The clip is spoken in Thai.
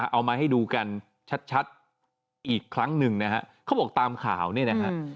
เอามาให้ดูกันชัดอีกครั้งนึงนะครับเขาบอกตามข่าวนี่นะครับ